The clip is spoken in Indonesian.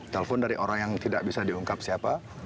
telepon dari orang yang tidak bisa diungkap siapa